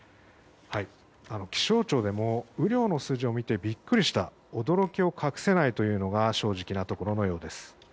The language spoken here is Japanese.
気象庁でも雨量の数字を見てビックリした驚きを隠せないというのが正直なところのようです。